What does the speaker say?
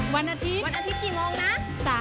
วันอาทิตย์กี่โมงนะ